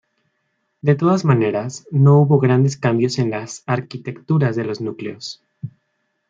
De todas maneras, no hubo grandes cambios en las arquitecturas de los núcleos.